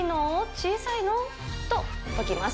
小さいの？と解きます。